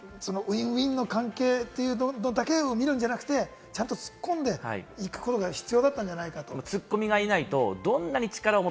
マスコミもウィンウィンの関係だけを見るんじゃなくて、ちゃんと突っ込んでいくことが必要だったんじゃないかと。